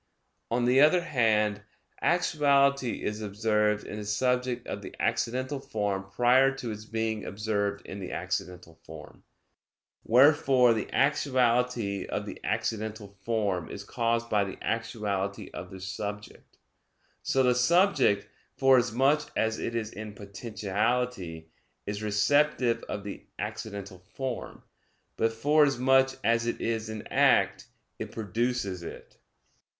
On the other hand, actuality is observed in the subject of the accidental form prior to its being observed in the accidental form; wherefore the actuality of the accidental form is caused by the actuality of the subject. So the subject, forasmuch as it is in potentiality, is receptive of the accidental form: but forasmuch as it is in act, it produces it.